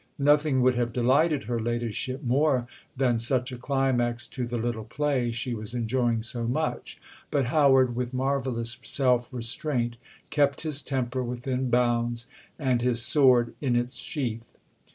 Nothing would have delighted her ladyship more than such a climax to the little play she was enjoying so much; but Howard, with marvellous self restraint, kept his temper within bounds and his sword in its sheath.